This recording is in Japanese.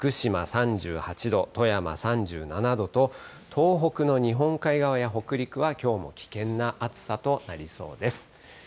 山形、福島３８度、富山３７度と、東北の日本海側や北陸は、きょうも危険な暑さとなりそうです。